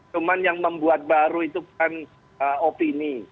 cuma yang membuat baru itu kan opini